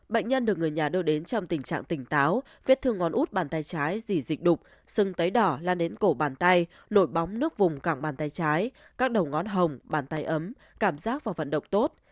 bệnh nhân được người nhà đưa đến trong tình trạng tỉnh táo vết thương ngón út bàn tay trái dì dịch đục sưng tấy đỏ lan đến cổ bàn tay nổi bóng nước vùng cả bàn tay trái các đầu ngón hồng bàn tay ấm cảm giác và vận động tốt